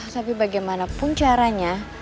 tapi bagaimanapun caranya